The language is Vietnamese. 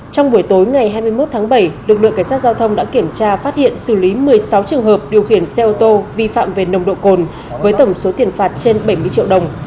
được lượng cảnh sát giao thông đã kiểm tra phát hiện xử lý một mươi sáu trường hợp điều khiển xe ô tô vi phạm về nồng độ cồn với tổng số tiền phạt trên bảy mươi triệu đồng